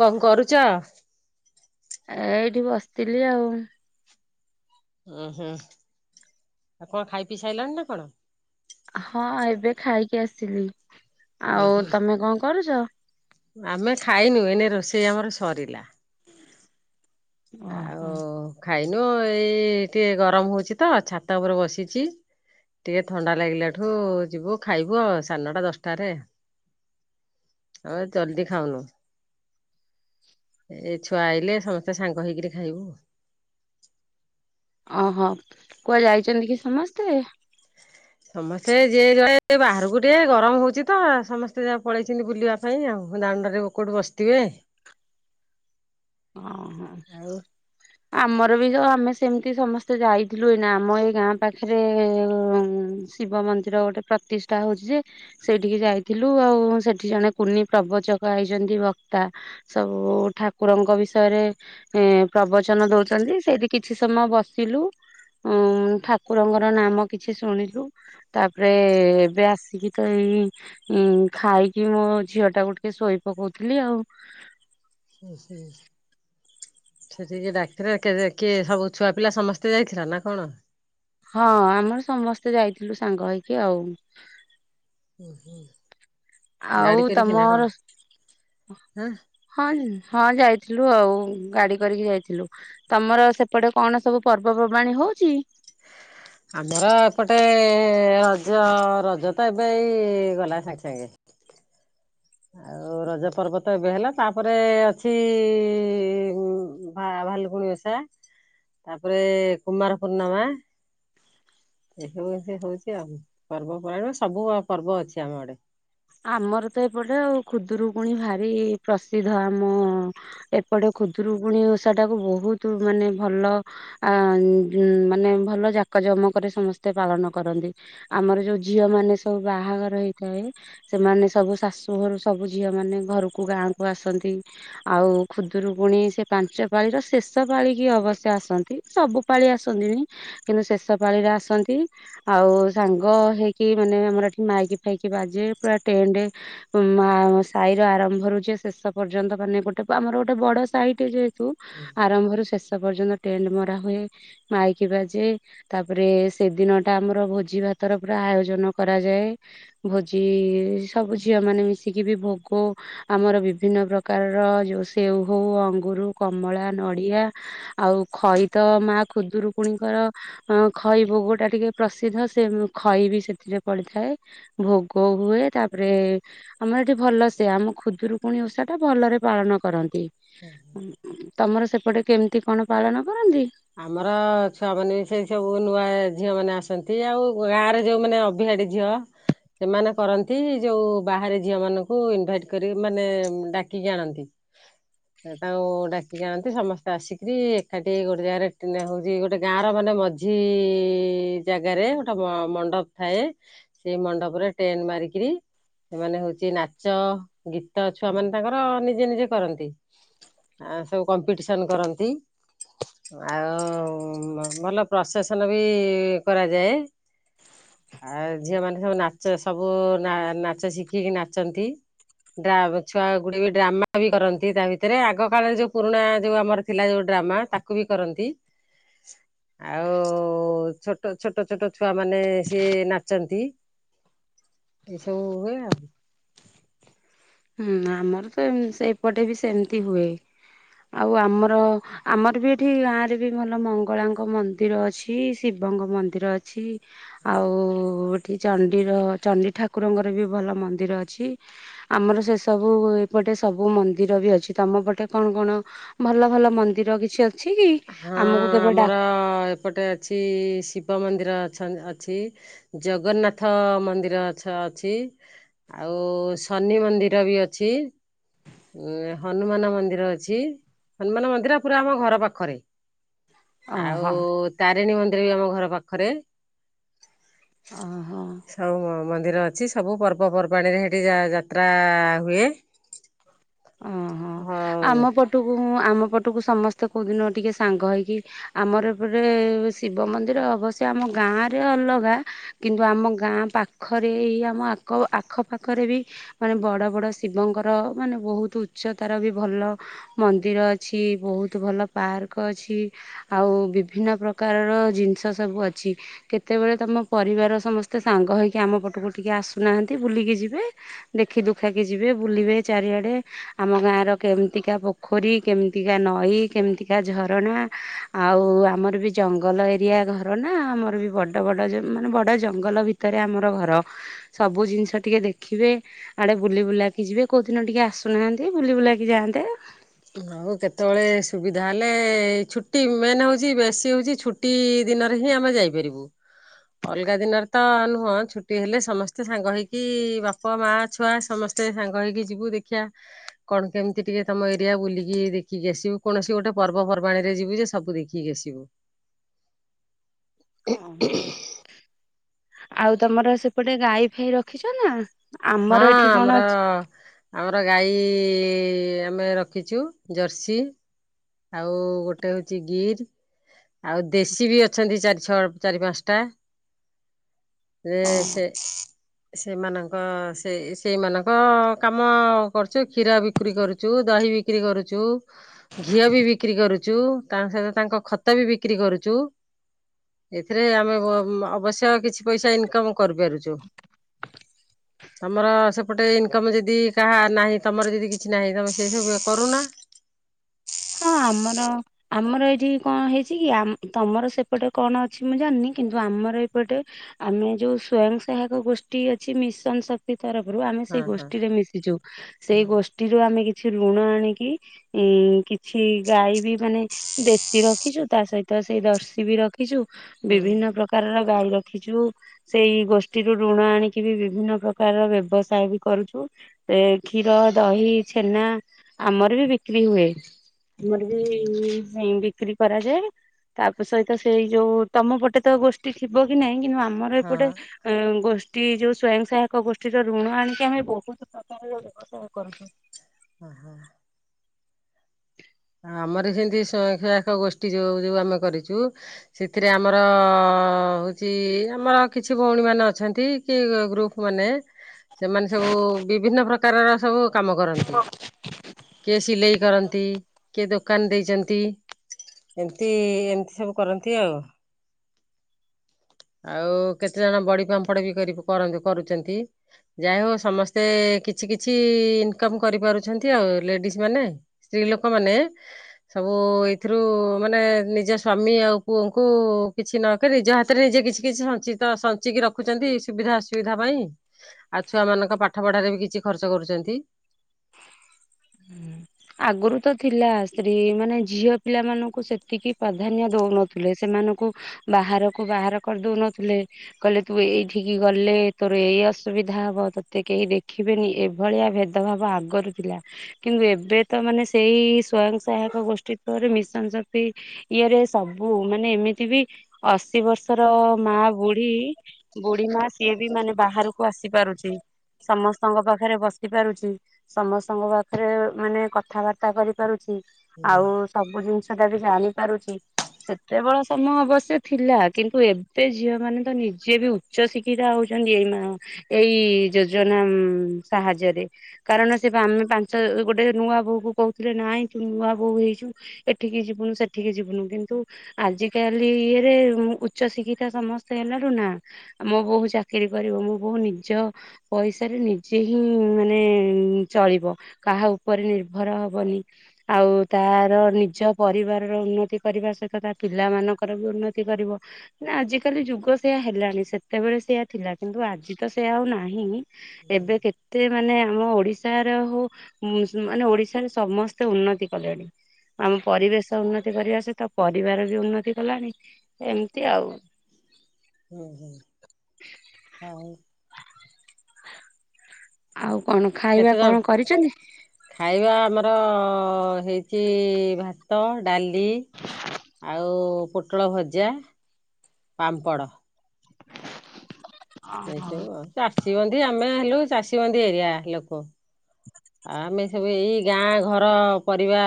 କ କରୁଚ? ଏ ଏଠି ବସିଥିଲି ଆଉ ଉଁ ହୁଁ ଆଉ କଣ ଖାଇ ପି ସାଇଲଣି ନା କଣ? ହଁ ଏବେ ଖାଇକି ଆସିଲି। ଆଉ ତମେ କଣ କରୁଚ? ଆମେ ଖାଇନୁ ଏନେ ରୋଷେଇ ଆମର ସରିଲା। ଆଉ ଓହୋ। ଖାଇନୁ ଏଇ ଟିକେ ଗରମ ହଉଚି ତ ଛାତ ଉପରେ ବସିଚି ଟିକେ ଥଣ୍ଡା ଲାଗିଲାଠୁ ଯିବୁ ଖାଇବୁ ଆ ସାଢେନଟା ଦଶଟାରେ ଆମେ ଜଲଦି ଖାଉନୁ ଏ ଛୁଆ ଆଇଲେ ସମସ୍ତେ କହିକିରି ଖାଇବୁ। ଓହୋ କୁଆ ଯାଇଚନ୍ତି କି ସମସ୍ତେ? ସମସ୍ତେ ଯିଏ ଜି ଯୁଆଡେ ବାହାରକୁ ଟିକେ ଗରମ ହଉଚି ତ ସମସ୍ତେ ଯାହା ପଳେଇଛନ୍ତି ବୁଲିବା ପାଇଁ ଆଉ ଦାଣ୍ଡରେ କଉଠୁ ବସିଥିବେ। ଓହୋ ଆଉ ଆମର [unintelligible] ଆମେ ସେମିତି ସମସ୍ତେ ଯାଇଥିଲୁ ଏନା ଆମ ଏଇ ଗାଁ ପାଖରେ ଶିବ ମନ୍ଦିର ଗୋଟେ ପ୍ରତିଷ୍ଠା ହଉଛି ଯେ ସେଇଠିକି ଯାଇଥିଲୁ ଆଉ ସେଠି ଜଣେ କୁନି ପ୍ରବଚକ ହେଇଛନ୍ତି ବକ୍ତା ସବୁ ଠାକୁରଙ୍କ ବିଷୟରେ ଏ ପ୍ରବଚନ ଦଉଛନ୍ତି ସେଇଠି କିଛି ସମୟ ବସିଲୁ। ଉଁ ଠାକୁରଙ୍କର ନାମ କିଛି ଶୁଣିଲୁ ତାପରେ ଏବେ ଆସିକି ତ ଏଇ ଖାଇକି ମୋ ଝିଅ ଟାକୁ ଟିକେ ଶୋଇ ପକଉଥିଲି ଆଉ। ହୁଁ ସେଠିକ ଡାକ [unintelligible] କିଏ ସବୁ ଛୁଆ ପିଲା ସମସ୍ତେ ଯାଇଥିଲ ନା କଣ? ହଁ ଆମର ସମସ୍ତେ ଯାଇଥିଲୁ ସାଙ୍ଗ ହେଇକି ଆଉ [inaudible] ଆଉ ଗାଡି କରିକି ନା କଣ? ତମର ହଁ ହଁ ଯାଇଥିଲୁ। ଆଉ ଗାଡି କରିକି ଯାଇଥିଲୁ ତମର ସେପଟେ କଣ ସବୁ ପର୍ବପର୍ବାଣୀ ହଉଛି? ଆମର ଏପଟେ ରଜ ରଜ ତ ଏବେଇ ଗଲା ସାଙ୍ଗେ ସାଙ୍ଗେ ଆଉ ରଜ ପର୍ବ ତ ଏବେ ହେଲ ତାପରେ ଅଛି ଭା ଭାଲୁକୁଣି ଓଷା ତାପରେ କୁମାର ପୂର୍ଣ୍ଣିମା ଏ ହଉ ସେ ହଉଛି ଆଉ ପର୍ବ ପରାୟଣ ସବୁ ପର୍ବ ଅଛି ଆମ ଆଡେ। ଆମର ତ ଏପଟେ ଆଉ ଖୁଦୁରୁକୁୁଣି ଭାରି ପ୍ରସିଦ୍ଧ ଆମ ଏପଟେ ଖୁଦୁରୁକୁୁଣିୀ ଓଷା ଟାକୁ ବହୁତ ମାନେ ଭଲ ମାନେ ଭଲ ଜାକ ଜମକରେ ସମସ୍ତେ ପାଳନ କରନ୍ତି ଆମର ଯୋଉ ଝିଅ ମାନେ ସବୁ ବାହାଘର ହେଇଥାଏ। ସେମାନେ ସବୁ ଶାଶୁ ଘରୁ ସବୁ ଝିଅ ମାନେ ଘରକୁ ଗାଁ କୁ ଆସନ୍ତି ଆଉ ଖୁଦରୁକୁଣି ପୁଣି ସେ ପାଞ୍ଚ ପାଳିର ଶେଷ ପାଳିକି ଅବଶ୍ୟ ଆସନ୍ତି ସବୁ ପାଳି ଆସନ୍ତିନି କିନ୍ତୁ ଶେଷ ପାଳିରେ ଆସନ୍ତି ଆଉ ସାଙ୍ଗ ହେଇକି ମାନେ ଆମର ଏଠି ମାଇକି ଫାଇକି ବାଜି ଯେ ପୁରା ଟେଣ୍ଟ ସାହିର ଆରମ୍ଭରୁ ଯେ ଶେଷ ପର୍ଯ୍ୟନ୍ତ ମାନେ ଗୋଟେ ଆମର ଗୋଟେ ବଡ ସାାଇଟ ଯେହେତୁ ଆରମ୍ଭରୁ ଶେଷ ପର୍ଯ୍ୟନ୍ତ ଟେଣ୍ଟ ମରା ହୁଏ ମାଇକି ବାଜେ ତାପରେ ସେଦିନ ଟା ଆମର ଭୋଜି ଭାତର ପୁରା ଆୟୋଜନ କରାଯାଏ। ଆଜି ସବୁ ଝିଅ ମାନେ ମିଶିକି ବି ଭୋଗ ଆମର ବିଭିନ୍ନ ପ୍ରକାରର ଯୋଉ ସେଓ ହଉ ଅଙ୍ଗରୁ କମଳା ନଡ଼ିଆ ଆଉ ଖଇ ତ ମା ଖୁଦରୁକୁଣୀଙ୍କର ଖଇ ଭୋଗ ଟା ଟିକେ ପ୍ରସିଦ୍ଧ ସେ ଖଇ ବି ସେଥିରେ ପଡ଼ିଥାଏ ଭୋଗ କୋ ହୁଏ ତାପରେ ଆମର ଏଠି ଭଲ ସେ ଆମ ଖୁଦୁରୁକୁୁଣି ଓଷା ଟା ଭଲରେ ପାଳନ କରନ୍ତି ତମର ସେ ଏପଟେ କେମିତି କଣ ପାଳନ? କରନ୍ତି? ଆମର ଛୁଆ ମାନେ ବି ସେଇ ସବୁ ନୂଆ ଝିଅ ମାନେ ଆସନ୍ତି ଆଉ ଗାଁରେ ଯୋଉମାନୋନ ଅବହାଡି ଝିଅ ସେମାନେ କରନ୍ତି ଯୋଉ ବାହାରେ ଝିଅ ମାନଙ୍କୁ ଇନଭାଇଟ କର ମାନେ ଡାକିକି ଆଣନ୍ତି ତାଙ୍କୁ ଡାକିକି ଆଣନ୍ତି ସମସ୍ତେ ଆସିକରି ଏକାଠି ଗେ ଜାଗାରେ ହଉଛି ଗୋଟେ ଗାଁ ର ମାନେ ମଝି ଜାଗାରେ ଗୋଟେ ମଣ୍ଡପ ଥାଏ ସେ ମଣ୍ଡପ ରେ ଟେନ ମାରିକରି ସେମାନେ ହଉଛି ନାଚ ଗୀତ ଛୁଆ ମାନ ତାଙ୍କର ନିଜେ ନିଜେ କରନ୍ତି ଆ ସବୁ କମ୍ପିଟିସନ କରନ୍ତି। ଆଉ ଭଲ ପ୍ରସେସନ ବି କରାଯାଏ ଆ ଝିଅ ମାନ ସବୁ ନାଚ ସବୁ ନାଚ ଶିଖିକି ନାଚନ୍ତି ଛୁଆ ଗୁଡେ ବି ଡ୍ରାମା ବି କରନ୍ତି ତା ଭିତରେ ଆଗ କାଳରେ ଯୋଉ ପୁରୁଣା ଯୋଉ ଆମର ଥିଲା ଯୋଉ ଡ୍ରାମା ତାକୁ କ ବି କରନ୍ତି ଆଉ ଛୋଟ ଛୋଟ ଛୋଟ ଛୁଆ ମାନେ ସିଏ ନାଚନ୍ତି ଏସବୁ ହୁଏ ଆଉ ହୁଁ ଆମର ତ ସେପଟେ ବି ସେମିତି ହୁଏ ଆଉ ଆମର ଆମର ବି ଏଠି ଗାଁ ରେ ବି ଭଲ ମଙ୍ଗଳାଙ୍କ ମନ୍ଦିର ଅଛି ଶିବଙ୍କ ମନ୍ଦିର ଅଛି ଆଉ ଏଠି ଚଣ୍ଡଡିର ଚଣ୍ଡି ଠାକୁରଙ୍କର ବି ଭଲ ମନ୍ଦିର ଅଛି। ଆମର ସେ ସବୁ ଏପଟେ ସବୁ ମନ୍ଦିର ବି ଅଛି ତମ ପଟେ କଣ କଣ ଭଲ ଭଲ ମନ୍ଦିର କିଛି ଅ ହଁ ଆମର ଏପଟେ ଅଛି। ଶିବ ମନ୍ଦିର ଅଛ ଅଛି ଜଗନ୍ନାଥ ମନ୍ଦିର ଅଛ ଅଛି ଆଉ ଶନି ମନ୍ଦିର ବି ଅଛି ହନୁମାନ ମନ୍ଦିର ଅଛି ହନୁମାନ ମନ୍ଦିର ପୁରା ଆମ ଘର ପାଖରେ। ଆଉ ଓହୋ ତା ତାରିଣୀ ମନ୍ଦିର ବି ଆମ ଘର ପାଖରେ ଅ ହୋ। ସବୁ ମନ୍ଦିର ଅଛି ସବୁ ପର୍ବପର୍ବାଣିରେ ସେଇଠି ଯାତ୍ରା ହୁଏ। ଓହୋ ହଉ। ଆମ ପଟୁ ଆମ ପଟକୁ ସମସ୍ତେ କେଉଁଦିନ ଟିକେ ସାଙ୍ଗ ହୋଇଇକି ଆମର ଏପଟେ ଶିବ ମନ୍ଦିର ଅବଶ୍ୟ ଆମ ଗାଁରେ ଅଲଗା କିନ୍ତୁ ଆମ ଗାଁ ପାଖରେ ଏଇ ଆମ ଆଖପାଖରେ ବି ମାନେ ବଡ଼ ବଡ଼ ଶିବଙ୍କର ମାନେ ବହୁତ ଉଚ୍ଚ ତାର ବି ଭଲ ମନ୍ଦିର ଅଛି ବହୁତ ଭଲ ପାର୍କ ଅଛି ଆଉ ବିଭିନ୍ନ ପ୍ରକାରର ଜିନିଷ ସବୁ ଅଛି କେତେବେଳେ ତମ ପରିବାର ସମସ୍ତେ ସାଙ୍ଗ ହୋଇଇକି ଆମ ପଟକୁ ଟିକେ ଆସୁନାହାନ୍ତି ବୁଲିକି ଯିବେ ଦେଖି ଦୁଖାକି ଯିବେ ବୁଲିବେ ଚାରିଆଡ଼େ। ଆମ ଗାଁ ର କେମିତିକା ପୋଖରୀ କେମିତିକା ନଈ କେମିତିକା ଝରଣା ଆଉ ଆମର ବି ଜଙ୍ଗଲ ଏରିଆ ଘରଣା ଆମର ବି ବଡ ବଡ ମାନେ ବଡ ଜଙ୍ଗଲ ଭିତରେ ଆମର ଘର ସବୁ ଜିନିଷ ଟିକେ ଦେଖିବେ ଆଡେ ବୁଲି ବୁଲାକି ଯିବେ କୋଉ ଦିନ ଟିକେ ଆସୁ ନାହାନ୍ତି ବୁଲି ବୁଲାକି ଯାଆନ୍ତେ ଆଉ କେତେବେଳେ ସୁବିଧା ହେଲେ ଛୁଟି ମେନ୍ ହଉଛି ବେଶୀ ହଉଛି ଛୁଟି ଦିନରେ ହିଁ ଆମେ ଯାଇପାରିବୁ ଅଲଗା ଦିନରେ ତ ନୁହଁ ଛୁଟି ହେଲେ ସମସ୍ତେ ସାଙ୍ଗ ହେଇକି ବାପ ମା ଛୁଆ ସମସ୍ତେ ସାଙ୍ଗ ହେଇକି ଯିବୁ ଦେଖିବା କଣ କେମିତି ଟିକେ ତମ ଏ। ବୁଲିକି ଦେଖିକି ଆସିବୁ କୌଣସି ଗୋଟେ ପର୍ବପର୍ବାଣିରେ ଯିବୁ ଯେ ସବୁ ଦେଖିକି ଆସିବୁ। ହ। ଆଉ ତମର ସେପଟେ ଗାଈ ଫାଇ ରଖିଛ ନା। ହଁ ଆମର ଏଠି କଣ ଆମର ଆମର ଗାଈ କି ଆମେ ରଖିଛୁ ଜର୍ସି ଆଉ ଗୋଟେ ହଉଛି ଗିର୍ ଆଉ ଦେଶୀ ବି ଅଛନ୍ତି ଚାରି ଛଅ ଚାରି ପାଞ୍ଚଟା ରେ ଅଛି? ହେ ସେମାନଙ୍କ ସେ ସେଇମାନଙ୍କ କାମ କରୁଛୁ କ୍ଷୀର ବିକ୍ରି କରୁଛୁ ଦହି ବିକ୍ରି କରୁଛୁ ଘିଅ ବି ବିକ୍ରି କରୁଛୁ ତାଙ୍କ ସହିତ ତାଙ୍କ ଖତ ବି ବିକ୍ରି କରୁଛୁ ଏଥିରେ ଆମେ ଅବଶ୍ୟ କିଛି ପଇସା ଇନକମ କରିପାରୁଛୁ। ତମର ସେପଟେ ଇନକମ ଯଦି କାହା ନାହିଁ ତମର ଯଦି କିଛି ନାହିଁ ତମେ ସେ ସବୁ କରୁନା। ହଁ ଆମର ଆମର ଏଇଠି କଣ ହେଇଛି କି ତମର ସେପଟେ କଣ ଅଛି ମୁଁ ଜାଣିନି କିନ୍ତୁ ଆମର ଏପଟେ ଆମେ ଯୋଉ ସ୍ଵୟଂ ସହାୟକ ଗୋଷ୍ଠୀ ଅଛି ମିଶନ ଶକ୍ତି ତରଫରୁ ଆମେ ହଁ ସେଇ ହଁ ଗୋଷ୍ଠୀରେ ମିଶିଛୁ ସେଇ ହୁଁ ଗୋଷ୍ଠୀରୁ ଆମେ କିଛି ଋଣ ଆଣିକି ଇଁ କି ଗଈ ବି [unintelligible] ମାନେ ଦେଶୀର ରଖିଛୁ ତା ସହିତ ସେଇ ଦର୍ଶି ବି ରଖି ଏଇ ଯୋଉ ହୁଁ ବିଭିନ୍ନ ପ୍ରକାରର ଗାଈ ରଖିଛୁ ସେଇ ଗୋଷ୍ଠୀରୁୁ ଋଣ ଆଣିକି ବି ବିଭିନ୍ନ ପ୍ରକାର ବ୍ୟବସାୟ ବି କରୁଛୁ ସେ କ୍ଷୀର ଦହି ଛେନା ଆମର ବି ବିକ୍ରି ହୁଏ ଆମର ହୁଁ ବି ହୁଁ ସେଇ ବିକ୍ରି କରାଯାଏ ତା ସହିତ ସେଇ ଯୋଉ ତମ ପଟେ ତ ଗୋଷ୍ଠୀ ଥିବ କି ନାହିଁ କିନ୍ତୁ ଆମ। ଆମର ଏପଟେ ହଁ। ଗୋଷ୍ ଏ ଯୋଉ ସ୍ଵୟଂ ସହାୟକ ଗୋଷ୍ଠୀର ଋଣ ଆଣିକି ଆମେ ବହୁତ ପ୍ରକାରର ବ୍ୟବସାୟ କରୁଛୁ ଓ ହୋ ହ ଆମର ସେମିତି ସ୍ୱୟଂ ସହାୟକ ଗୋଷ୍ଠୀ ଯେଉଁ ଯୋଉ ଆମେ କରିଚୁ ସେଥିରେ ଆମର ହଉଚି ଆମର କିଛି ଭଉଣୀମାନେ ଅଛନ୍ତି କି ଗ୍ରୁପ ମାନେ ସେମାନେ ସବୁ ବିଭିନ୍ନ ପ୍ରକ ପ୍ରକାରର ସବୁ କାମ କରନ୍ତି କିଏ ସିଲେଇ କରନ୍ତି କିଏ ଦୋକାନ ଦେଇଚନ୍ତି ଏମିତି ଏମିତି ସବୁ କରନ୍ତି ଆଉ ଆଉ କେତେ ଜଣ ବଡି ପାମ୍ପଡ ବି କରି ପ କରନ୍ତି କରୁଚନ୍ତି ଯା ହଉ ସମସ୍ତେ କିଛି କିଛି ଇନକମ କରିପାରୁଛନ୍ତି ଆଉ ଲେଡିଜ ମାନେ ସ୍ତ୍ରୀ ଲୋକ ମାନେ ସବୁ ଏଇଥିରୁ ମାନେ ନିଜ ସ୍ଵାମୀ ଆଉ ପୁଅଙ୍କୁ କିଛି ନକହି ନିଜ ହାତ ସେ ନିଜେ କିଛି କିଛି ସଞ୍ଚିତ ସଞ୍ଚିକି ରଖୁଛନ୍ତି ସୁବିଧା ଅସୁବିଧା ପାଇଁ ଆଉ ଛୁଆ ମାନଙ୍କ ପାଠ ପଢାରେ ବି କିଛି ଖର୍ଚ୍ଚ କରୁଚନ୍ତି। ଆଗରୁ ତ ଥିଲା ସ୍ତ୍ରୀ ମାନେ ଝିଅ ପିଲା ମାନଙ୍କୁ ସେତିକି ପ୍ରାଧାନ୍ୟ ଦଉନଥିଲେ ସେମାନଙ୍କୁ ବାହାରକୁ ବାହାର କରିଦଉନଥିଲେ କହିଲେ ତୁ ଏଇଠିକି ଗଲେ ତୋର ଏଇ ଅସୁବିଧା ହବ ତୋତେ କେହି ଦେଖିବେନି ଏଭଳିଆ ଭେଦଭାବ ଆଗରୁ ଥିଲା କିନ୍ତୁ ଏବେ ତ ମାନେ ସେଇ ସ୍ଵୟଂ ସହାୟକ ଗୋଷ୍ଠୀ ପରେ ମିଶନ ଶକ୍ତି ଇଏରେ ସବୁ ମାନେ ଏମିତି ବି ଅଶୀ ବର୍ଷର ମା ବୁଢୀ ବୁଢୀ ମା ସିଏ ବି ମାନେ ବାହାରୁକୁ ଆସି ପାରୁଚି ସମସ୍ତଙ୍କ ପାଖରେ ବସି ପାରୁଚି ସମସ୍ତଙ୍କ ପା ଖରେ ମାନେ କଥାବାର୍ତ୍ତା କରିପାରୁଚି ଆଉ ସବୁ ଜିନିଷ ସେଟା ବି ଜାଣି ପାରୁଚି ସେତେବେଳ ସମୟ ଅବଶ୍ୟ ଥିଲା କିନ୍ତୁ ଏବେ ଝିଅମାନେ ତ ନିଜେ ବି ଉଚ୍ଚ ଶିକ୍ଷିତ ହଉଛନ୍ତି ଏଇନା ଏଇ ଯୋଜନା ସାହାଯ୍ୟରେ କାରଣ ସେ ପା ଆମେ ଗୋଟେ ନୂଆ ବୋହୁ କୁ କହୁଥିଲେ ନାଇଁ ତୁ ନୂଆ ବୋହୁ ହେଇଚୁ ଏଠିକି ଯିବୁନୁ ସେଠିକି ଯିବୁନୁ କିନ୍ତୁ ଆଜିକାଲି ଇଏରେ ଉଚ୍ଚ ଶିକ୍ଷିତା ସମସ୍ତେ ହେଲାରୁ ନା ମୋ ବୋହୁ ଚାକିରୀ କରିବ ମୋ ବୋଉ ନିଜ ପଇସାରେ ନିଜେ ହିଁ ମାନେ ଚଳିବ କାହା ଉପରେ ନିର୍ଭର ହବନି ଆଉ ତାର ନିଜ ପରିବାରର ଉନ୍ନତି କରିବା ସହିତ ତା ପିଲାମାନଙ୍କର ବି ଉନ୍ନତି କରିବ ନା ଆଜିକାଲି ଯୁଗ ସେୟା ହେଲାଣି ସେତେବେଳେ ସେୟା ଥିଲା କିନ୍ତୁ ଆଜି ତ ସେଆ ଆଉ ନାହିଁ ଏବେ କେତେ ମାନେ ଆମ ଓଡିଶାର ହଉ ମୁଁ ସିନା ମାନେ ଓଡିଶାରେ ସମସ୍ତେ ଉନ୍ନତି କଲେଣି ଆମ ପରିବେଶ ଉନ୍ନତି କରିବା ସହିତ ପରିବାର ବି ଉନ୍ନତି କଲାଣି ଏମିତି ଆଉ ହୁଁ ହୁଁ ଆ ଆଉ କଣ ଖାଇବା କେତେ ଜଣ କଣ କରିଚନ୍ତି? ଅ ହେଇଛି ଭାତ ଡାଲି ଆଉ ପୋଟଳ ଭଜା ପାମ୍ପଡ଼ ଏଇ ଓହୋ ସବୁ ଆଉ ଚା ଷୀବନ୍ଦୀ। ଆମେ ହେଲୁ ଚାଷୀବନ୍ଦୀ ଏରିଆ ଲୋକ। ଆମେ ସବୁ ଏଇ ଗାଁ ଘର ପରିବା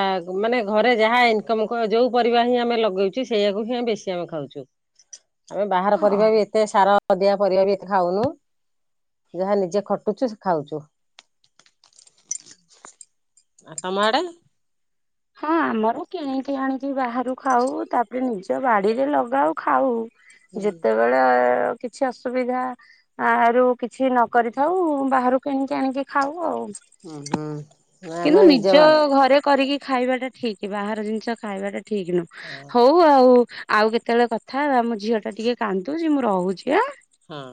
ମାନେ ଘରେ ଯାହା ଇନକମ ଯୋଉ ପରିବା ହିଁ ଆମେ ଲଗେଇଚୁ ସେଇଆକୁ ହିଁ ବେଶୀ ଆମେ ଖାଉଚୁ। ଆମେ ବାହାର ହଉ। ପରିବା ବି ଏତେ ସାର ଦିଆ ପରିବା ବି ଏତେ ଖାଉନୁ। ଯାହା ନିଜେ ଖଟୁଚୁ ସେ ଖାଉଚୁ। [inaudible] ଆ ତମ ଆଡେ? ହଁ ଆମର କିଣିକି ଆଣିକି ବାହାରୁ ଖାଉ। ତାପରେ ନିଜ ବାଡିରେ ଲଗାଉ ଖାଉ ହୁଁ। ଯେତେବେଳେ କିଛି ଅସୁବିଧା ଆ ରୁ କିଛି ନ କରିଥାଉ ବାହାରକୁ କିଣିକି ଆଣିକି ଖାଉ ଆଉ। ଉଁ ହୁଁ ନାଇ କିନ୍ତୁ ଆମେ ନିଜ ବାଡି ଘରେ କରିକି ଖାଇବା ଟା ଠିକ। ବାହାର ଜିନିଷ ଖାଇବାଟା ଠିକ ନୁହଁ। ହଉ ଆଉ ଆଉ କେତେବେଳେ କଥା ହବା ଆମ ଝିଅ ଟା ଟିକେ କାନ୍ଦୁଚି। ମୁଁ ରହୁଚି ଆଁ? ହଁ।